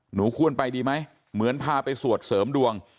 หนูควรไปดีไหมเหมือนพาไปสวดเสริมดวง